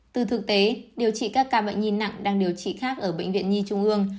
từ thực tế điều trị các ca bệnh nhi nặng đang điều trị khác ở bệnh viện nhi trung ương